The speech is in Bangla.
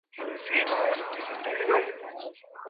তারা ছিল এক অন্ধ সম্প্রদায়।